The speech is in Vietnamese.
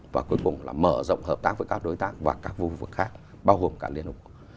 và cuối cùng là mở rộng hợp tác với các đối tác và các vùng khác bao gồm cả liên hợp quốc